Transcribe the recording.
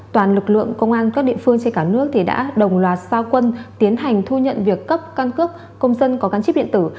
toàn lực lượng công an các địa phương trên cả nước thì đã đồng loạt giao quân tiến hành thu nhận việc cấp căn cước công dân có găng chích viện tử